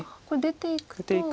これ出ていくと。